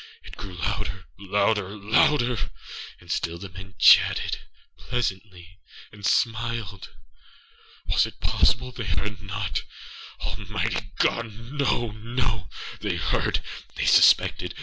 It grew louderâlouderâlouder! And still the men chatted pleasantly, and smiled. Was it possible they heard not? Almighty God!âno, no! They heard!âthey suspected!